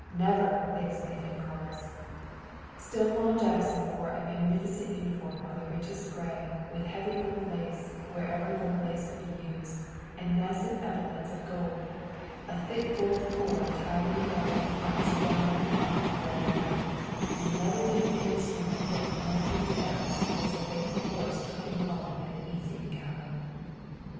Never!" they exclaimed in chorus. Stonewall Jackson wore a magnificent uniform of the richest gray, with heavy gold lace wherever gold lace could be used, and massive epaulets of gold. A thick gold cord tied in a bow in front surrounded the fine gray hat, and never did a famous general look more embarrassed as the faithful horse took him along at an easy gallop.